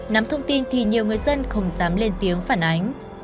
nắm thông tin thì nhiều người dân không dám lên tiếng phản ánh